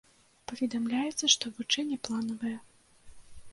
Паведамляецца, што вучэнні планавыя.